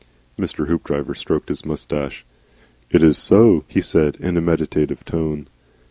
Mr. Hoopdriver stroked his moustache. "It IS so," he said in a meditative tone.